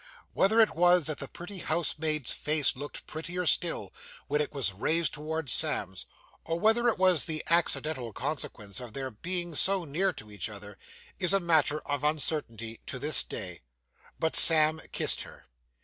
Whether it was that the pretty housemaid's face looked prettier still, when it was raised towards Sam's, or whether it was the accidental consequence of their being so near to each other, is matter of uncertainty to this day; but Sam kissed her.